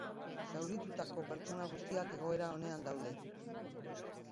Zauritutako pertsona guztiak egoera onean daude.